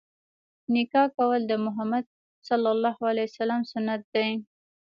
نکاح کول د مُحَمَّد ﷺ سنت دی.